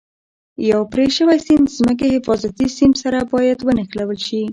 یو پرې شوی سیم د ځمکې حفاظتي سیم سره باید ونښلول شي.